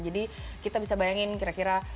jadi kita bisa bayangin kira kira